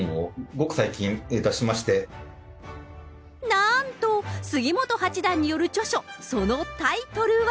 なんと、杉本八段による著書、そのタイトルは。